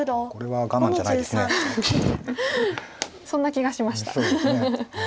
そんな気がしました。